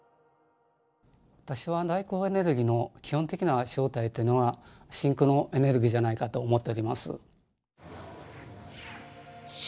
私はダークエネルギーの基本的な正体というのは真空のエネルギーじゃないかと思っております。